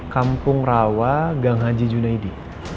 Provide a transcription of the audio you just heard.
kampung rawa gang haji junaidi